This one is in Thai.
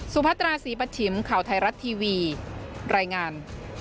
พัตราศรีปัชชิมข่าวไทยรัฐทีวีรายงาน